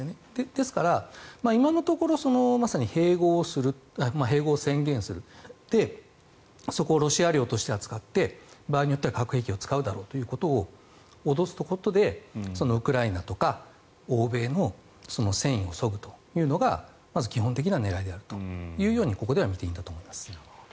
ですから、今のところまさに併合を宣言するそこをロシア領として扱って場合によっては核兵器を使うだろうと脅すことでウクライナとか欧米の戦意をそぐというのがまず基本的な狙いだとここでは見ていいと思います。